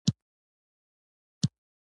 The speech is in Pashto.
احمد دوی دا یوه مياشت راباندې اړولي دي.